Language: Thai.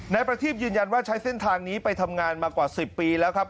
นายประทีบยืนยันว่าใช้เส้นทางนี้ไปทำงานมากว่า๑๐ปีแล้วครับ